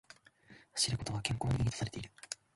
走ることは健康に良いとされている